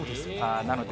なので